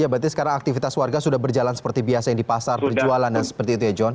berarti sekarang aktivitas warga sudah berjalan seperti biasa yang di pasar perjualan dan seperti itu ya john